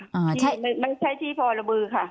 ไม่ใช่ที่พระบืค่ะ